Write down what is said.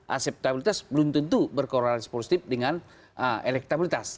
aseptabilitas belum tentu berkorelasi positif dengan elektabilitas